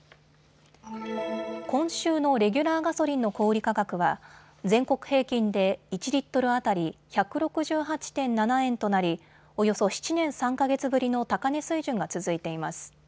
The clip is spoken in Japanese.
今週のレギュラーガソリンの小売価格は全国平均で１リットル当たり１６８．７円となり、およそ７年３か月ぶりの高値水準が続いています。